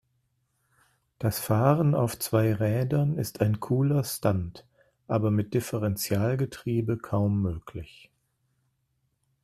Das Fahren auf zwei Rädern ist ein cooler Stunt, aber mit Differentialgetriebe kaum möglich.